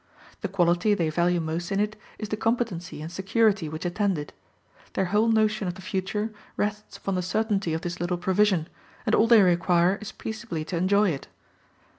The quality they value most in it is the competency and security which attend it: their whole notion of the future rests upon the certainty of this little provision, and all they require is peaceably to enjoy it.